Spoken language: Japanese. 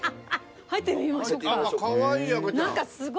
入ってみましょうか。